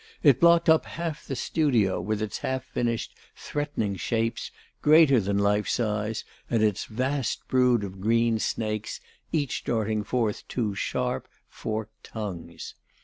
It blocked up half the studio with its half finished, threatening shapes, greater than life size, and its vast brood of green snakes, each darting forth two sharp, forked tongues.